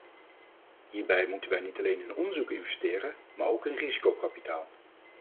Hierbij moeten wij niet alleen in onderzoek investeren, maar ook in risicokapitaal.